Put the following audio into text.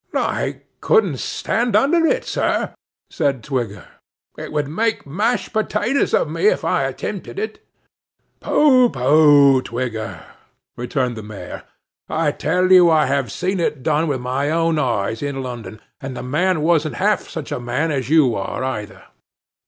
'I couldn't stand under it, sir,' said Twigger; 'it would make mashed potatoes of me, if I attempted it.' 'Pooh, pooh, Twigger!' returned the Mayor. 'I tell you I have seen it done with my own eyes, in London, and the man wasn't half such a man as you are, either.